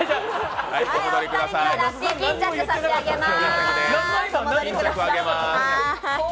お二人にはラッピー巾着、差し上げます。